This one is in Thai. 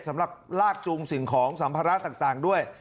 สำหรับลากจูงสิ่งของสัมภาระต่างด้วย